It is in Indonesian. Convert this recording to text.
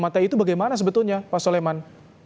mematamatai itu bagaimana sebetulnya pak suleman